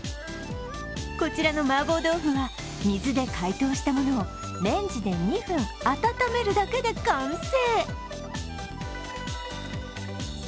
こちらの麻婆豆腐は水で解凍したものをレンジで２分温めるだけで完成。